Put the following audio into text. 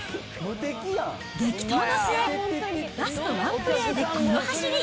激闘の末、ラストワンプレーでこの走り。